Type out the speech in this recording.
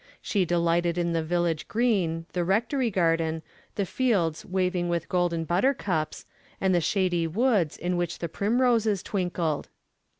She delighted in the village green, the rectory garden, the fields waving with golden buttercups, and the shady woods in which the primroses twinkled.